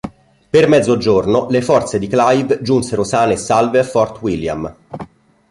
Per mezzogiorno, le forze di Clive giunsero sane e salve a Fort William.